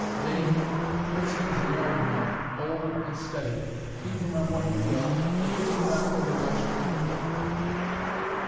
Dame, Brittson is a married man, old and steady; feed him on what you will, but give him not over much liquor."